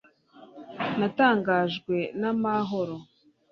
natangajwe n'amahoro